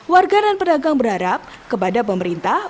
warga dan pedagang berharap kepada pemerintah